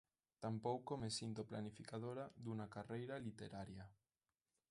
Tampouco me sinto planificadora dunha carreira literaria.